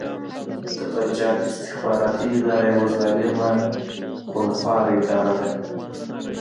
د پنجاب استخباراتې اداره يوه ظالمه خونښواره اداره ده